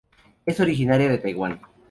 Es originaria de Taiwan.